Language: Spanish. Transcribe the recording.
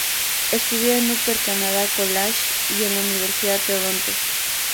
Estudió en el Upper Canada College y en la Universidad de Toronto.